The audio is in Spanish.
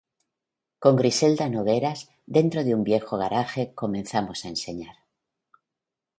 Con Griselda Nogueras, dentro de un viejo garaje, comenzamos a enseñar.